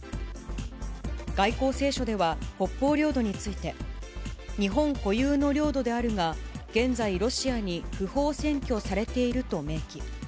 外交青書では、北方領土について、日本固有の領土であるが、現在、ロシアに不法占拠されていると明記。